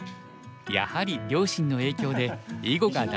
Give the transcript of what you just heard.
やはり両親の影響で囲碁が大好き。